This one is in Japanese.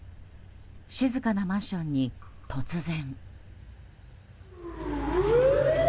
静かなマンションに突然。